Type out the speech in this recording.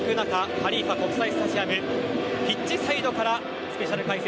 ハリーファ国際スタジアムピッチサイドからスペシャル解説